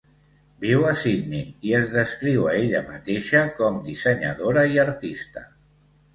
Viu a Sidney i es descriu a ella mateixa com dissenyadora i artista.